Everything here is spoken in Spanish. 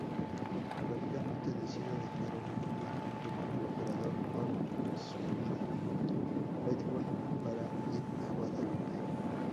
Rápidamente decide dejar Alemania junto con el operador Jörg Schmidt-Reitwein para ir a Guadalupe.